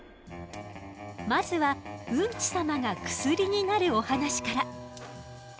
まずはウンチ様が薬になるお話から。